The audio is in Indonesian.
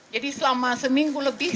jadi selama seminggu lebih